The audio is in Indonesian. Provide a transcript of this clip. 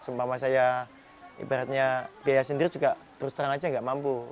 sumpah mas saya ibaratnya biaya sendiri juga terus terang aja gak mampu